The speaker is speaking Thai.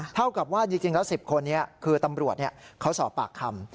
เท่ากับว่าจริงแล้ว๑๐คนนี้คือตำรวจเขาสอบปากคำ